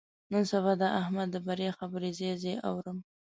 نن سبا د احمد د بریا خبرې ځای ځای اورم.